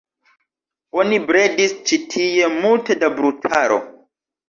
Oni bredis ĉi tie multe da brutaro.